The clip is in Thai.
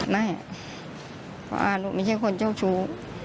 ไม่เพราะว่าหนูไม่ใช่คนเจ้าชู้